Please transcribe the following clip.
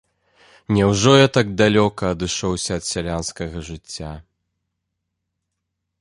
Няўжо я так далёка адышоўся ад сялянскага жыцця?